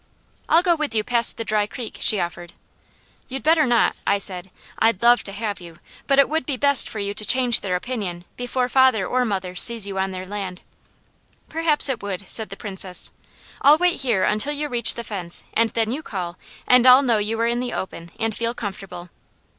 "I'll go with you past the dry creek," she offered. "You better not," I said. "I'd love to have you, but it would be best for you to change their opinion, before father or mother sees you on their land." "Perhaps it would," said the Princess. "I'll wait here until you reach the fence and then you call and I'll know you are in the open and feel comfortable."